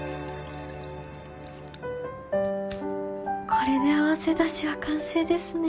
これであわせだしは完成ですね。